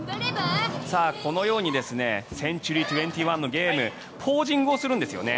このようにセンチュリー２１のゲームポージングをするんですよね。